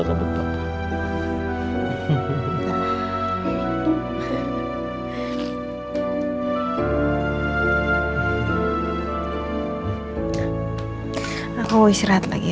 dari kecil harusnya gitu